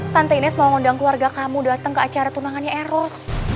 tante nes mau mengundang keluarga kamu datang ke acara tunangannya eros